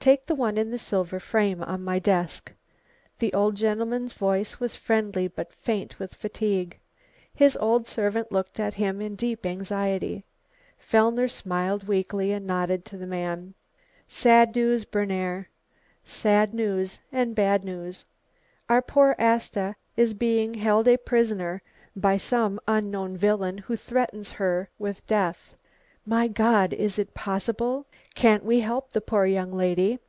Take the one in the silver frame on my desk;" the old gentleman's voice was friendly but faint with fatigue. His old servant looked at him in deep anxiety. Fellner smiled weakly and nodded to the man. "Sad news, Berner! Sad news and bad news. Our poor Asta is being held a prisoner by some unknown villain who threatens her with death." "My God, is it possible? Can't we help the poor young lady?"